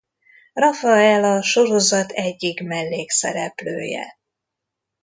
Rafael a sorozat egyik mellékszereplője.